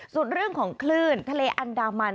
ส่วนเรื่องของคลื่นทะเลอันดามัน